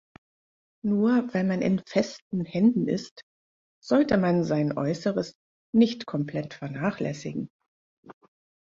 Nur weil man in festen Händen ist, sollte man sein Äußeres nicht komplett vernachlässigen.